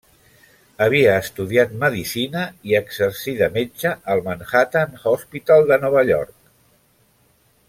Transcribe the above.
Havia estudiat medicina i exercí de metge al Manhattan Hospital de Nova York.